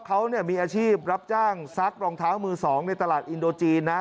เขามีอาชีพรับจ้างซักรองเท้ามือ๒ในตลาดอินโดจีนนะ